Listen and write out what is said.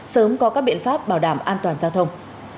sớm có các biện pháp bảo đảm an toàn giao thông